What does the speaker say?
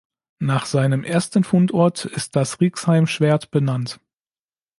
Nach seinem ersten Fundort ist das Rixheim-Schwert benannt.